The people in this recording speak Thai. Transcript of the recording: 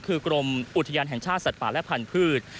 คือกรมอุทยานแห่งชาติสัตว์ป่าและพันธุ์